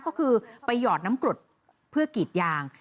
ก็คือไปหยอดน้ำกรดเพื่อกีดยาง